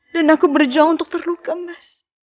dan aku berjuang untuk terluka mas